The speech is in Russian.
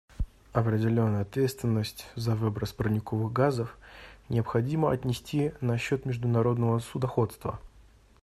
Определенную ответственность за выброс парниковых газов необходимо отнести на счет международного судоходства.